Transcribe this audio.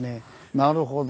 なるほど。